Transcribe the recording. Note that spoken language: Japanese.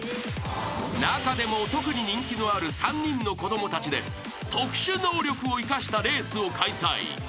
［中でも特に人気のある３人の子供たちで特殊能力を生かしたレースを開催］